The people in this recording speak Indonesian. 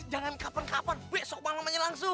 jangan kapan kapan besok malem aja langsung